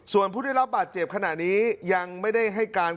ส่วนผู้ได้รับบาดเจ็บขณะนี้ยังไม่ได้ให้การ